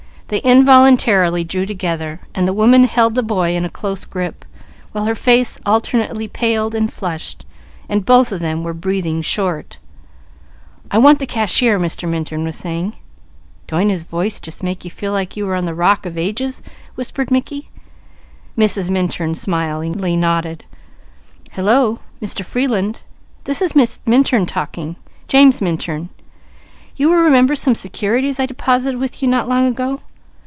They involuntarily drew together, and the woman held the boy in a close grip, while her face alternately paled and flushed, and both of them were breathing short. "I want the cashier!" Mr. Minturn was saying. "Don't his voice just make you feel like you were on the rock of ages?" whispered Mickey. Mrs. Minturn smiling nodded. "Hello, Mr. Freeland. This is Minturn talking James Minturn. You will remember some securities I deposited with you not long ago?